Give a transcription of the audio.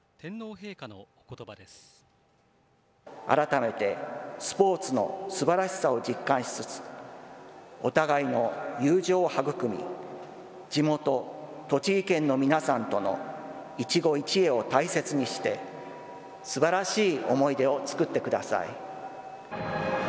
改めてスポーツのすばらしさを実感しつつお互いの友情を育み、地元、栃木県の皆さんとの一期一会を大切にしてすばらしい思い出を作ってください。